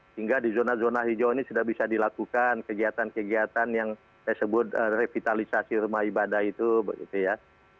sehingga di zona zona hijau ini sudah bisa dilakukan kegiatan kegiatan yang saya sebut revitalisasi rumah ibadah itu begitu ya